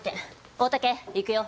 大竹行くよ。